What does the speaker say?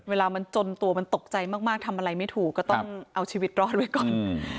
เวลามันจนตัวมันตกใจมากทำอะไรไม่ถูกก็ต้องเอาชีวิตรอดไว้ก่อน